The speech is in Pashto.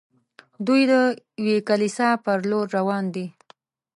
دوی د یوې کلیسا پر لور روان دي.